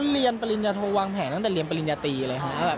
เรียนปริญญาโทวางแผนตั้งแต่เรียนปริญญาตรีเลยฮะ